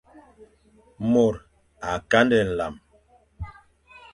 Mor a kandé nlan.